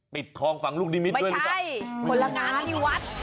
ปิดคลองฝั่งลูกนิมิตรด้วยหรือเปล่าไม่ใช่คนละงานที่วัด